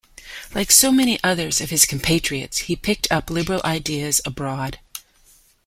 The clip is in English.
Like so many others of his compatriots, he picked up Liberal ideas abroad.